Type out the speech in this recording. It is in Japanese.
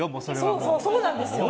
そうそうそうなんですよ！